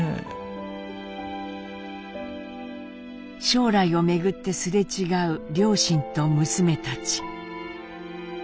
将来をめぐってすれ違う両親と娘たち。